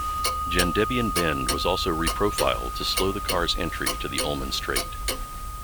Gendebien Bend was also re-profiled to slow the cars' entry to the Ullman straight.